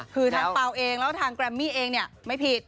คือทางเปล่าเองแล้วทางแกรมมี่เองเนี่ยไม่ผิด